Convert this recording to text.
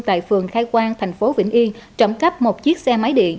tại phường khai quang thành phố vĩnh yên trộm cắp một chiếc xe máy điện